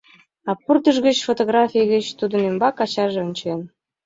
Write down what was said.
А пырдыж гыч, фотографий гыч тудын ӱмбак ачаже ончен.